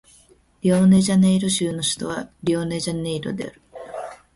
リオデジャネイロ州の州都はリオデジャネイロである